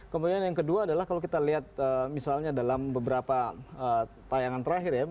kemudian yang kedua adalah kalau kita lihat misalnya dalam beberapa tayangan terakhir ya